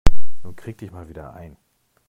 Nun krieg dich mal wieder ein.